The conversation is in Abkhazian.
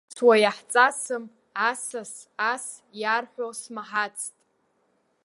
Аԥсуаа иаҳҵасым, асас ас иарҳәо смаҳацт.